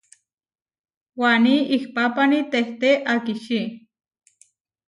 Waní ihpápani tehté akičí.